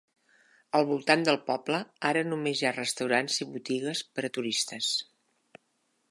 Al voltant del poble ara només hi ha restaurants i botigues per a turistes.